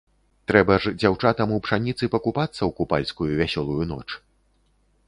Трэба ж дзяўчатам у пшаніцы пакупацца ў купальскую вясёлую ноч.